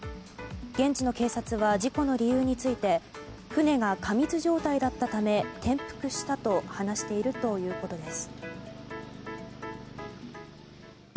現地の警察は事故の理由について船が過密状態だったため転覆したと話しているということです。